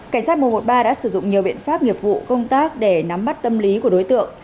cảnh sát một trăm một mươi ba đã sử dụng nhiều biện pháp nghiệp vụ công tác để nắm bắt tâm lý của đối tượng